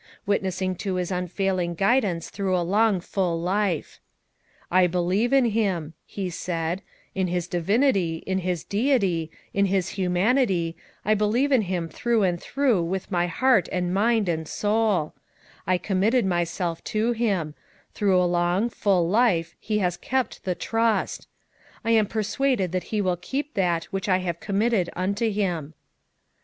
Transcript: Witnessing to his unfailing guidance through a long full life. "I believe in Mm," he said, "in his divinity, in his deity, in his humanity, I believe in him through and through with my heart and mind and soul ; I committed myself to him ; through a long, full life he has kept the trust; I am persuaded that he will keep that which I have committed unto him."